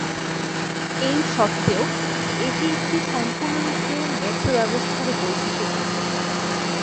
এই সত্ত্বেও, এটি একটি সম্পূর্ণরূপে মেট্রো ব্যবস্থার বৈশিষ্ট্য যুক্ত।